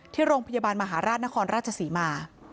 ที่โรงพยาบาลมหาราชนครราชศรีมา